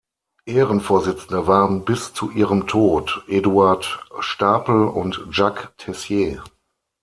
Ehrenvorsitzende waren bis zu ihrem Tod Eduard Stapel und Jacques Teyssier.